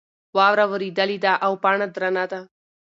واوره ورېدلې ده او پاڼه درنه ده.